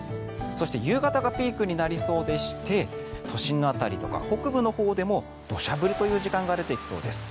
そして夕方がピークになりそうで都心や北部のほうでも土砂降りという時間が出てきそうです。